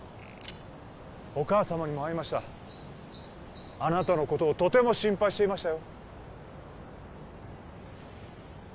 お母様にも会いましたあなたのことをとても心配していましたよ